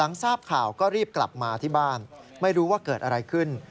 ทราบข่าวก็รีบกลับมาที่บ้านไม่รู้ว่าเกิดอะไรขึ้น